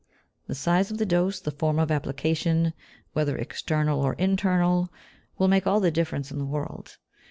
The size of the dose, the form of application, whether external or internal, will make all the difference in the world.